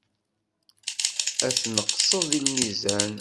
Ad tneqseḍ deg lmizan.